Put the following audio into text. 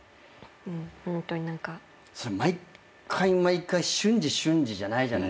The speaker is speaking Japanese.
それ毎回毎回瞬時瞬時じゃないじゃないですか。